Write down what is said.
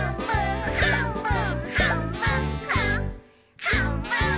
「はんぶんこ！」